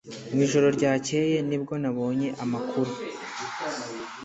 Mu ijoro ryakeye nibwo nabonye amakuru